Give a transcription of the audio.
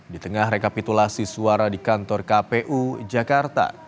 di tengah rekapitulasi suara di kantor kpu jakarta